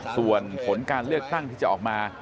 ส่วนผลการเลือกตั้งที่จะออกมา